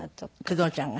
工藤ちゃんが。